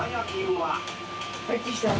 はい。